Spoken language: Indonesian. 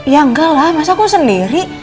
ya enggak lah masa aku sendiri